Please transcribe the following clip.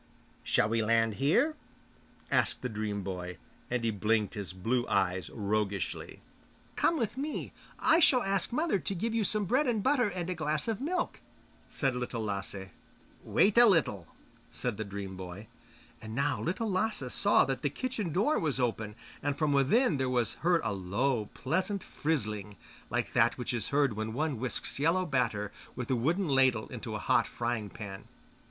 'Shall we land here?' asked the dream boy, and he blinked his blue eyes roguishly. 'Come with me, and I shall ask mother to give you some bread and butter and a glass of milk,' said Little Lasse. 'Wait a little,' said the dream boy. And now Little Lasse saw that the kitchen door was open, and from within there was heard a low, pleasant frizzling, like that which is heard when one whisks yellow batter with a wooden ladle into a hot frying pan.